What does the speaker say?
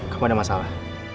kamu ada masalah